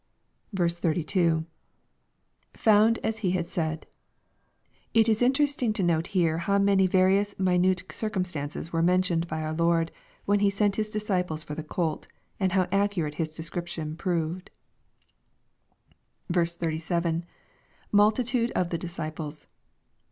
32. — [Found as he had said,] It is interesting to note here how many various minute circumstances were mentioned by our Lord when He sent His disciples for the colt, and how accurate His descrip tion proved. 37. — [Multitude of the disciples.